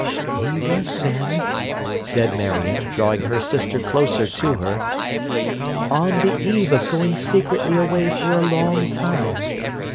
'He was then,' said Marion, drawing her sister closer to her, 'on the eve of going secretly away for a long time.